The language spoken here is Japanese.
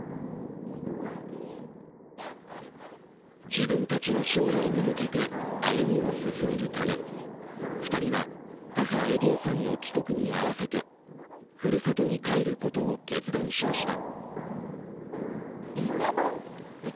自分たちの将来に向けて歩みを進めるため２人は母・エディエさんの帰国に合わせてふるさとに帰ることを決断しました。